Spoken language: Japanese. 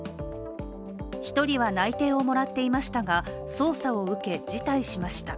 １人は内定をもらっていましたが捜査を受け、辞退しました。